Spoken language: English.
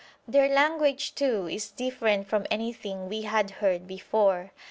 Their language, too, is different from anything we had heard before.